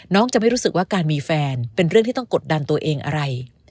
จะไม่รู้สึกว่าการมีแฟนเป็นเรื่องที่ต้องกดดันตัวเองอะไร